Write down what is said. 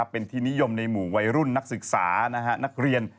เป็นที่นิยมในหมู่วัยรุ่นนักศึกษานักเรียน